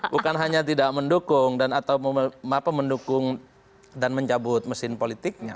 bukan hanya tidak mendukung dan mencabut mesin politiknya